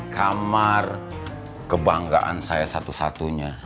kamar kebanggaan saya satu satunya